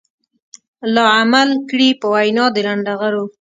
لا عمل کړي په وينا د لنډغرو.